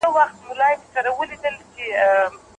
ما د خپلي خاطرې کتابچه په المارۍ کي کيښوده.